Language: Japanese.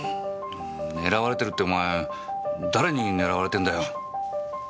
狙われてるってお前誰に狙われてんだよ？